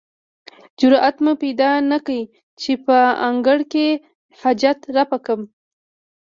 جرئت مې پیدا نه کړ چې په انګړ کې حاجت رفع کړم.